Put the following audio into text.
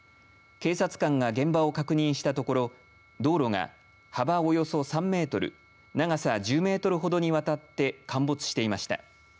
警察官が現場を確認したところ道路が幅およそ３メートル長さ１０メートルほどにわたって陥没していました。